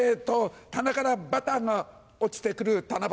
棚からバターが落ちてくる七夕。